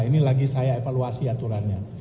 ini lagi saya evaluasi aturannya